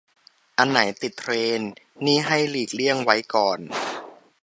อันไหนติดเทรนด์นี่ให้หลีกเลี่ยงไว้ก่อน